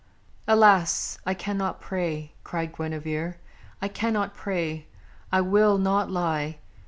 "Alas! I cannot pray!" Cried Guinevere. "I cannot pray! I will Not lie!